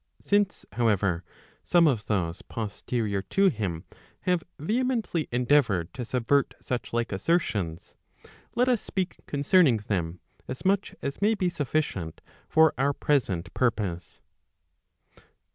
Since, however, some of those posterior to him have vehe* mently endeavoured to subvert such like assertions, let us speak concern¬ ing them as much as may be sufficient for our present purpose.